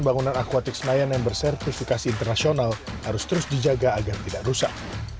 bangunan akuatik senayan yang bersertifikasi internasional harus terus dijaga agar tidak rusak